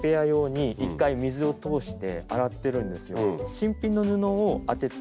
新品の布を当てて。